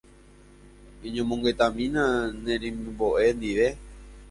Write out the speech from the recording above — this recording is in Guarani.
Eñomongetami ne remimbo'e ndive.